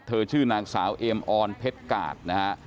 ชื่อนางสาวเอมออนเพชรกาดนะฮะ